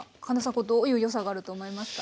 これどういう良さがあると思いますか？